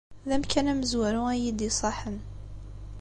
D amkan amezwaru ay iyi-d-iṣaḥen.